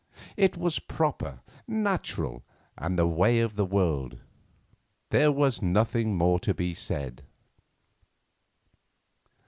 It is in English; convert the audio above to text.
It was proper, natural, and the way of the world; there was nothing more to be said.